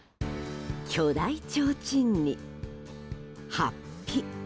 巨大ちょうちんに法被。